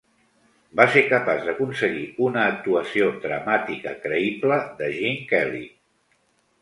Va ser capaç d'aconseguir una actuació dramàtica creïble de Gene Kelly.